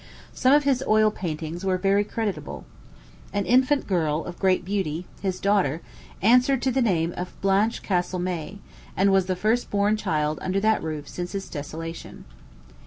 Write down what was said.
Some of his oil paintings were very creditable. An infant girl, of great beauty, his daughter, answered to the name of Blanche Castle May, and was the first born child under that roof since its desolation.